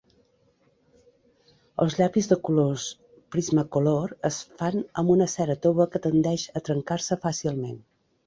Els llapis de colors Prismacolor es fan amb una cera tova que tendeix a trencar-se fàcilment.